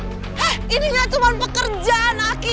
hah ini gak cuma pekerjaan aki